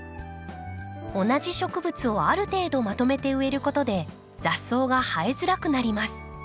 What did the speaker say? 同じ植物をある程度まとめて植えることで雑草が生えづらくなります。